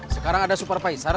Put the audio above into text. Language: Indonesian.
sekarang ada supervisor